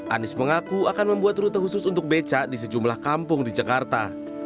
anies mengaku akan membuat rute khusus untuk beca di sejumlah kampung di jakarta